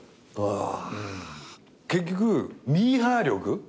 結局ミーハー力。